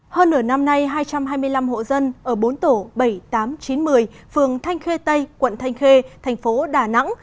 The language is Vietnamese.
hơn nửa năm nay hai trăm hai mươi năm hộ dân ở bốn tổ bảy tám chín một mươi phường thanh khê tây quận thanh khê thành phố đà nẵng